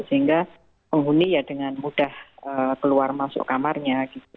sehingga penghuni ya dengan mudah keluar masuk kamarnya gitu